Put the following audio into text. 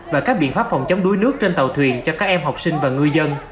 và các biện pháp phòng chống đuối nước trên tàu thuyền cho các em học sinh và ngư dân